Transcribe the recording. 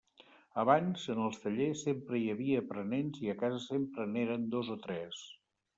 Abans, en els tallers, sempre hi havia aprenents i a casa sempre n'eren dos o tres.